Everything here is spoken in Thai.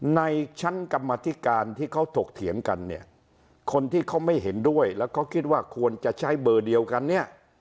ในชั้นกรรมธิการที่เขาถกเถียงกันเนี่ยคนที่เขาไม่เห็นด้วยแล้วเขาคิดว่าควรจะใช้เบอร์เดียวกันเนี่ย